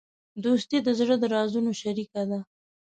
دوستي د زړه د رازونو شریک دی.